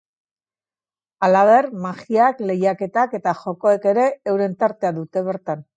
Halaber, magiak, lehiaketak eta jokoek ere euren tartea dute bertan.